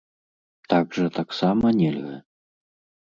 Так жа таксама нельга.